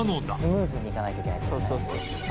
「スムーズに行かないといけないって事ね」